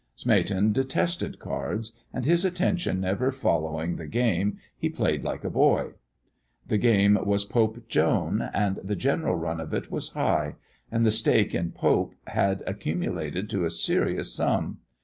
Smeaton detested cards, and his attention never following the game he played like a boy. The game was Pope Joan; and the general run of it was high; and the stake in Pope had accumulated to a serious sum.